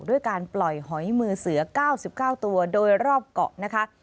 ด้วยการปล่อยหอยมือเสือ๙๙ตัวโดยรอบเกาะนะคะ